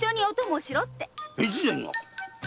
越前が⁉